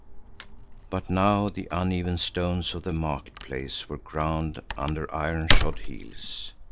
But now the uneven stones of the market place were ground under iron shod heels.